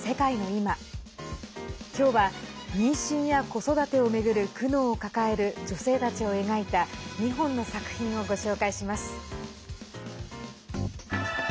今日は、妊娠や子育てを巡る苦悩を抱える女性たちを描いた２本の作品をご紹介します。